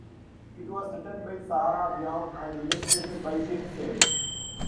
It was written by Sarah Byam and illustrated by Tim Sale.